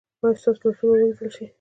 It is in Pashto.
ایا ستاسو لاسونه به وینځل نه شي؟